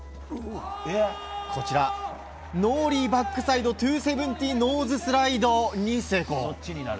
こちら、ノーリーバックサイド２７０ノーズスライドに成功。